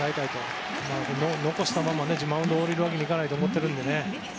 ランナーを残したままマウンドを降りるわけにはいかないと思っているので。